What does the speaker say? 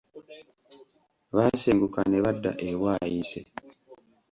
Baasenguka ne badda e Bwaise!